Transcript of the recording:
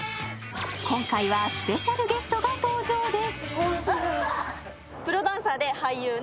今回はスペシャルゲストが登場です。